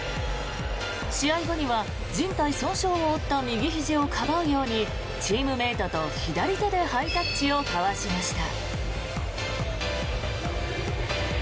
試合後には、じん帯損傷を負った右ひじをかばうようにチームメートと左手でハイタッチを交わしました。